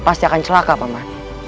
pasti akan celaka paman